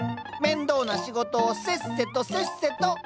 面倒な仕事をせっせとせっせと。